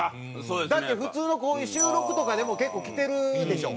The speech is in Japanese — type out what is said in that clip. だって普通のこういう収録とかでも結構着てるでしょ。